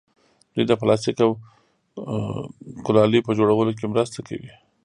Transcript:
دوی د پلاستیک او ګلالي په جوړولو کې مرسته کوي.